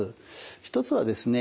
一つはですね